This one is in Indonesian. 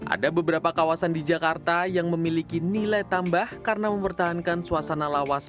ada beberapa kawasan di jakarta yang memiliki nilai tambah karena mempertahankan suasana lawas